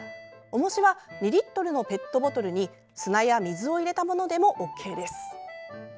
重しは２リットルのペットボトルに砂や水を入れたものでもＯＫです。